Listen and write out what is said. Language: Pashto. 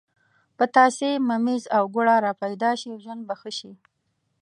پتاسې، ممیز او ګوړه را پیدا شي ژوند به ښه شي.